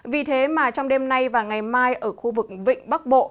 vì thế mà trong đêm nay và ngày mai ở khu vực vịnh bắc bộ